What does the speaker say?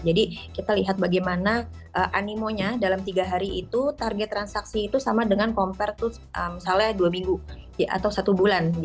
jadi kita lihat bagaimana animonya dalam tiga hari itu target transaksi itu sama dengan compare itu misalnya dua minggu atau satu bulan